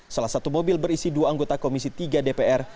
salah satu mobil berisi dua anggota komisi tiga dpr